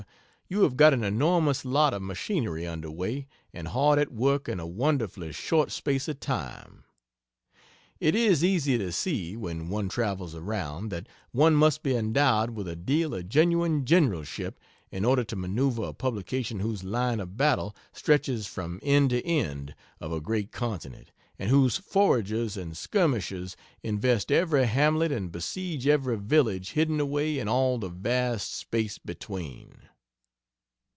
you have got an enormous lot of machinery under way and hard at work in a wonderfully short space of time. It is easy to see, when one travels around, that one must be endowed with a deal of genuine generalship in order to maneuvre a publication whose line of battle stretches from end to end of a great continent, and whose foragers and skirmishers invest every hamlet and besiege every village hidden away in all the vast space between.